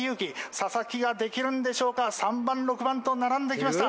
佐々木ができるんでしょうか３番６番と並んで来ました。